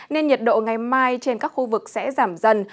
nên nhiệt độ ngày mai trên các khu vực sẽ giảm dần